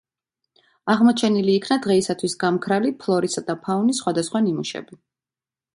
აღმოჩენილი იქნა დღეისათვის გამქრალი ფლორის და ფაუნის სხვადასხვა ნიმუშები.